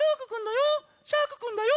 シャークくんだよ！